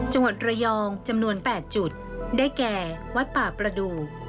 จังหวัดระยองจำนวน๘จุดได้แก่วัดป่าประดูก